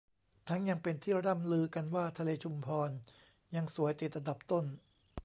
ทั้งยังเป็นที่ร่ำลือกันว่าทะเลชุมพรยังสวยติดอันดับต้น